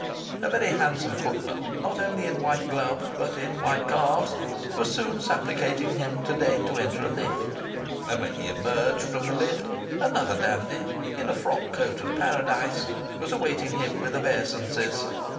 A very handsome footman, not only in white gloves but in white calves, was soon supplicating him to deign to enter a lift. And when he emerged from the lift another dandy in a frock coat of Paradise was awaiting him with obeisances.